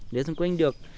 đéo xung quanh được